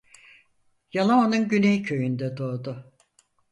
Yalova'nın Güney Köyünde doğdu.